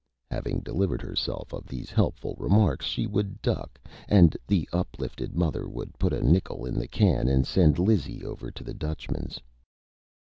Having delivered herself of these Helpful Remarks she would Duck, and the Uplifted Mother would put a Nickel in the Can and send Lizzie over to the Dutchman's.